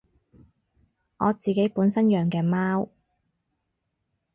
我自己本身養嘅貓